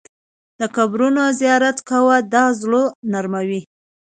د قبرونو زیارت کوه، دا زړه نرموي.